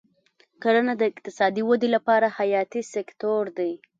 کرنه د اقتصادي ودې لپاره حیاتي سکتور دی.